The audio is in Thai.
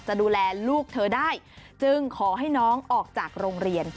จะดูแลลูกเธอได้จึงขอให้น้องออกจากโรงเรียน